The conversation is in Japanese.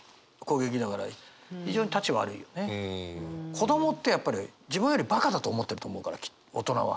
子どもってやっぱり自分よりバカだと思ってると思うから大人は。